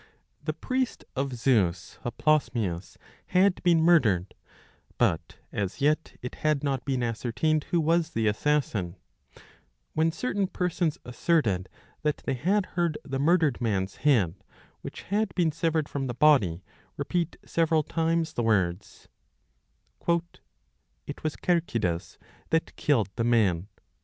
The priest of Zeus Hoplosmios '^ had been murdered ; but as yet it had not been ascertained who was the assassin ; when certain persons asserted that they had heard the murdered man's head, which had been severed from the body, repeat several times the words, " It was Cercidas that killed the man."